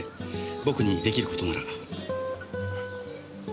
僕に出来る事なら。